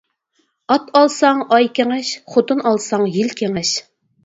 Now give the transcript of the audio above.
ئات ئالساڭ ئاي كېڭەش، خوتۇن ئالساڭ يىل كېڭەش.